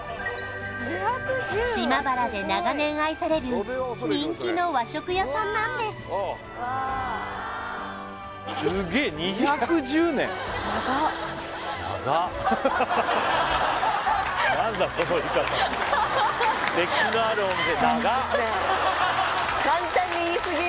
島原で長年愛される人気の和食屋さんなんです「ながっ」